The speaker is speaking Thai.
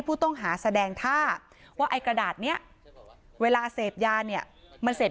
ผู้ต้องหาแสดงท่าว่าไอ้กระดาษนี้เวลาเสพยาเนี่ยมันเสพ